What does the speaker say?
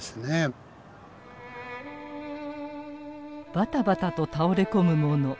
バタバタと倒れ込む者。